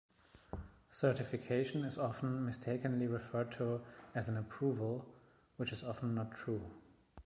Certification is often mistakenly referred to as an "approval", which is often not true.